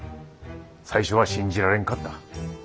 最初は信じられんかった。